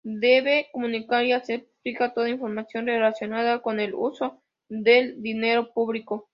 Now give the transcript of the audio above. Debe comunicar y hacer pública toda información relacionada con el uso del dinero público.